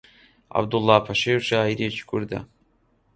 عەبدوڵڵا پەشێو شاعیرێکی کوردە